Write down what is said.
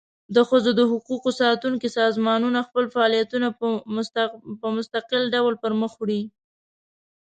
د ښځو د حقوقو ساتونکي سازمانونه خپل فعالیتونه په مستقل ډول پر مخ وړي.